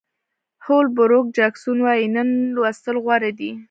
هول بروک جاکسون وایي نن لوستل غوره دي.